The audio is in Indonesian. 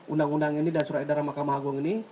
undang undang ini dan surat edaran mahkamah agung ini